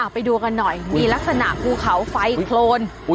ไปดูกันหน่อยมีลักษณะภูเขาไฟโครน